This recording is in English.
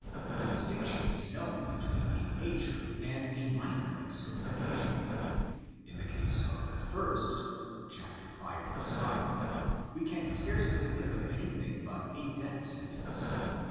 The distinction 18 known between a major and a minor excommunication. In the case of the first (v. 5), we can scarcely think of anything but a death sentence.